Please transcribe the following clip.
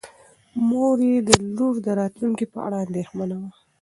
مور یې د لور د راتلونکي په اړه اندېښمنه وه.